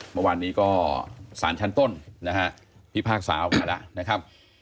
เมื่อวานนี้ก็สารชั้นต้นนะฮะพิพากษาออกมาแล้วนะครับ